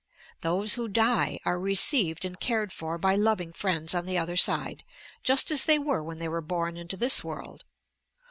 Those who "die" arc received and eared for by loving friends on the other side, just as they were when they were born into this world.